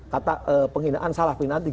kata penghinaan salah penghinaan